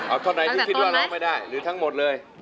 เอาท่อนใดที่คิดว่าร้องไม่ได้หรือทั้งหมดเลย